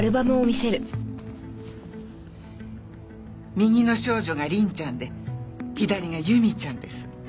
右の少女が凛ちゃんで左が由美ちゃんです。